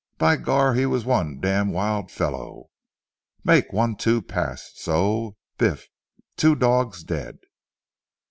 By Gar, he was one dam' wil' fellow. Mek one two pass, so. Biff! two dog dead."